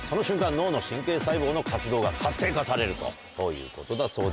脳の神経細胞の活動が活性化されるということだそうです。